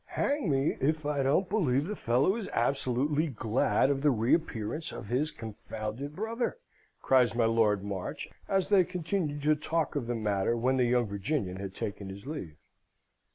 "Hang me, if I don't believe the fellow is absolutely glad of the reappearance of his confounded brother!" cries my Lord March, as they continued to talk of the matter when the young Virginian had taken his leave.